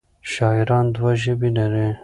شاعران دوه ژبې لري.